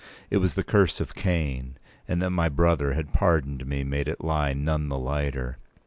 It was the curse of Cain, and that my brother had pardoned me made it lie none the lighter.